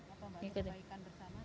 apa mbak kebaikan bersama